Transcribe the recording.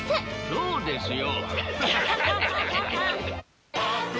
そうですよ。